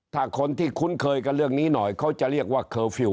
ถ้าคนที่คุ้นเคยกับเรื่องนี้น่ะเขาจะเรียกว่า